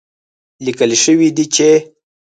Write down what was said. ليکل شوي دي چې